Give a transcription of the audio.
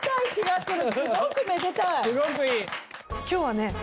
今日はね。